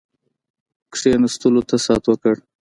کښېنستلو ته ست وکړ.